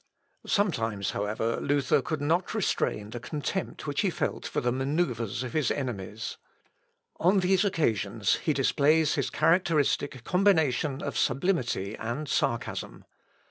" Sometimes, however, Luther could not restrain the contempt which he felt for the manœuvres of his enemies. On these occasions he displays his characteristic combination of sublimity and sarcasm.